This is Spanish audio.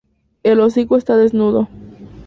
El hocico está desnudo.